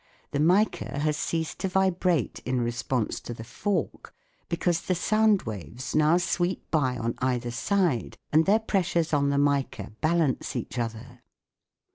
The mica has ceased to vibrate in response to the fork because the sound waves now sweep by on either side and their pressures on the mica balance each other.